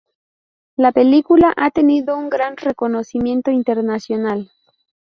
La película ha tenido un gran reconocimiento internacional.